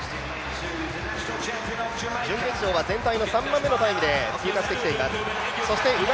準決勝は全体の３番目のタイムで通過してきています。